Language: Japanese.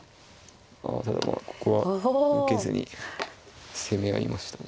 あただここは受けずに攻め合いましたね。